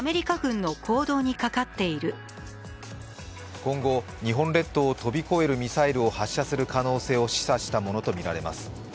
今後、日本列島を飛び越えるミサイルを発射する可能性を示唆したものとみられます。